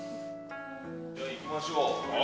じゃあ行きましょう。